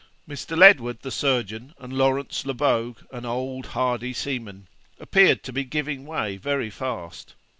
Mr. Ledward, the surgeon, and Lawrence Lebogue, an old hardy seaman, appeared to be giving way very fast.